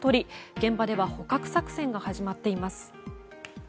現場では捕獲作戦が始まっています。